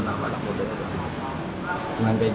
cuma pg aja yang boleh